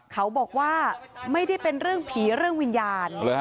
เขาบอกว่าไม่ได้เป็นเรื่องผีเรื่องวิญญาณ